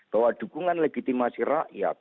bahwa dukungan legitimasi rakyat